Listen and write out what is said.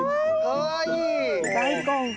かわいい！